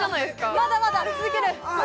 まだまだ続ける！